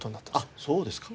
あっそうですか。